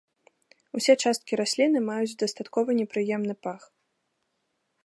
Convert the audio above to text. Усе часткі расліны маюць дастаткова непрыемны пах.